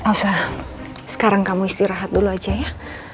asah sekarang kamu istirahat dulu aja ya